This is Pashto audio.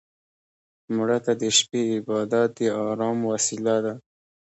مړه ته د شپه عبادت د ارام وسيله ده